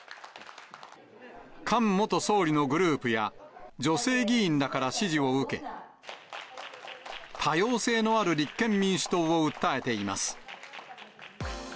菅元総理のグループや、女性議員らから支持を受け、多様性のある立憲民主党を訴えています。